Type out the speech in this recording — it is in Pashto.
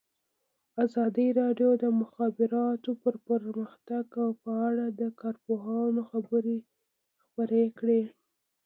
ازادي راډیو د د مخابراتو پرمختګ په اړه د کارپوهانو خبرې خپرې کړي.